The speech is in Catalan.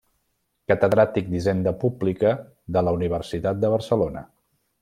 Catedràtic d'Hisenda Pública de la Universitat de Barcelona.